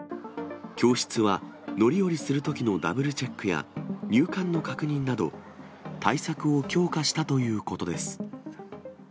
教室は乗り降りするときのダブルチェックや、入館の確認など、対策を強化したということです。